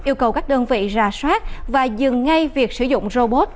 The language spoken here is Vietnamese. yêu cầu các đơn vị ra soát và dừng ngay việc sử dụng robot